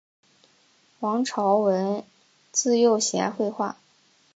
王朝闻自幼喜爱绘画。